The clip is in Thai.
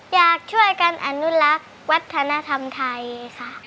อยากช่วยกันอนุรักษ์วัฒนธรรมไทยค่ะ